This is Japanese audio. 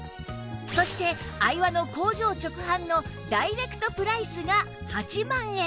そしてアイワの工場直販のダイレクトプライスが８万円